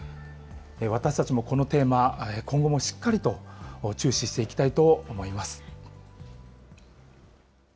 私たちもこのテーマ、今後もしっかりと注視していきたいと思います。